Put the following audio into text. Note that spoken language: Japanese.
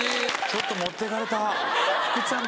ちょっと持ってかれた。